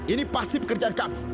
ini pasti pekerjaan kamu